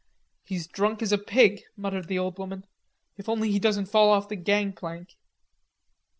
"He's drunk as a pig," muttered the old woman. "If only he doesn't fall off the gang plank."